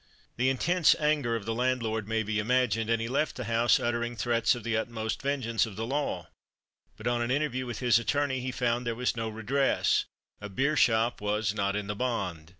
The intense anger of the landlord may be imagined; and he left the house uttering threats of the utmost vengeance of the law; but on an interview with his attorney he found there was no redress a beer shop was "not in the bond."